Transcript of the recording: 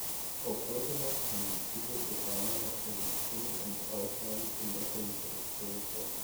Auch heute noch sind viele Iraner im In- und Ausland in der Filmproduktion tätig.